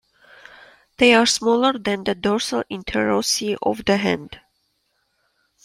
They are smaller than the dorsal interossei of the hand.